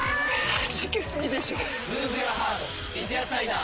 はじけすぎでしょ『三ツ矢サイダー』